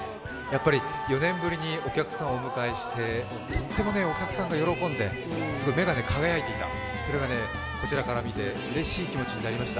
４年ぶりにお客さんをお迎えして、とってもお客さんが喜んで、すごく目が輝いていた、それがこちらから見てうれしい気持ちになりました。